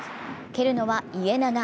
蹴るのは家長。